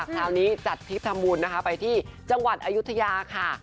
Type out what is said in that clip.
คราวนี้จัดทริปทำบุญนะคะไปที่จังหวัดอายุทยาค่ะ